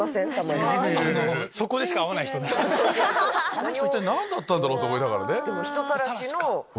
この人何だったんだ？と思いながらね。